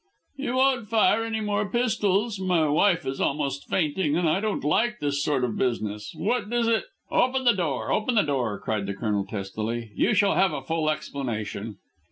"You won't fire any more pistols? My wife is almost fainting, and I don't like this sort of business. What does it " "Open the door, open the door!" cried the Colonel testily; "you shall have a full explanation."